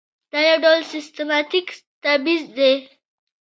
دا یو ډول سیستماتیک تبعیض دی.